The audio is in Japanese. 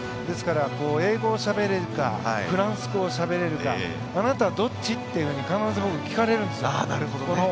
ですから英語をしゃべれるかフランス語をしゃべれるかあなたはどっちって必ず僕聞かれるんです。